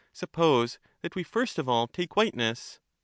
Suppose that we first of all take whiteness.